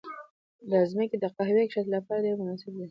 دا ځمکې د قهوې کښت لپاره ډېرې مناسبې وې.